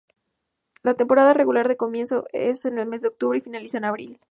La temporada regular da comienzo en el mes de octubre y finaliza en abril.